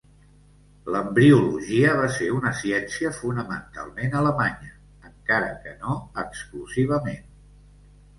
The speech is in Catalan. L'embriologia va ser una ciència fonamentalment alemanya, encara que no exclusivament.